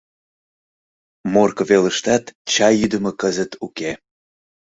— Морко велыштат чай йӱдымӧ кызыт уке.